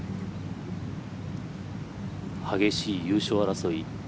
激しい優勝争い。